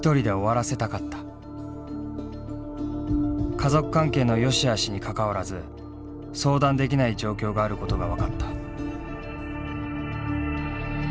家族関係の善しあしにかかわらず相談できない状況があることが分かった。